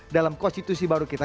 dalam konstitusi baru kita